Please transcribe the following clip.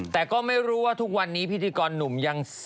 แต่ก็ไม่รู้ว่าทุกวันนี้พิธีกรหนุ่มยัง